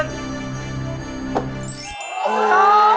ออกมาเป็น